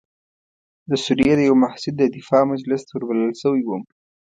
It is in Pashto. د سوریې د یوه محصل د دفاع مجلس ته وربلل شوی وم.